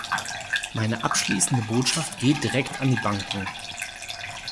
Meine abschließende Botschaft geht direkt an die Banken.